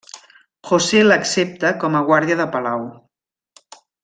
José l’accepta com a guàrdia de palau.